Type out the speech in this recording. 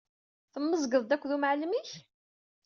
Temmezgeḍ-d akked umɛellem-ik?